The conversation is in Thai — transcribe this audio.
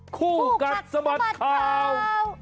คู่กัดสะบัดข่าว